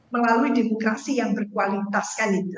melalui demokrasi yang berkualitas